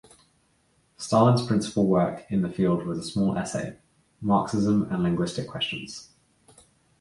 Stalin's principal work in the field was a small essay, Marxism and Linguistic Questions.